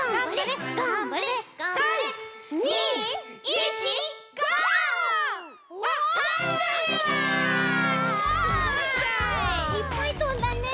いっぱいとんだね。